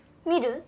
見る？